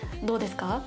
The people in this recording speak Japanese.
「どうですか？」